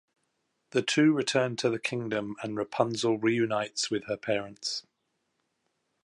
The two return to the kingdom and Rapunzel reunites with her parents.